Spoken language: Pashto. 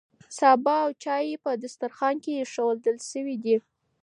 سابه او چای په دسترخوان کې ایښودل شوي دي.